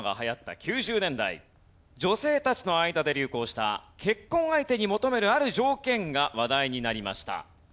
女性たちの間で流行した結婚相手に求めるある条件が話題になりました。